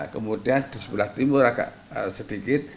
kemudian di sebelah timur agak sedikit